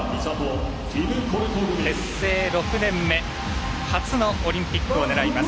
結成６年目初のオリンピックを狙います。